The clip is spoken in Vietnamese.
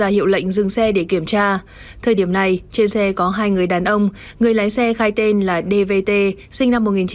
hiệu lệnh dừng xe để kiểm tra thời điểm này trên xe có hai người đàn ông người lái xe khai tên là dvt sinh năm một nghìn chín trăm tám mươi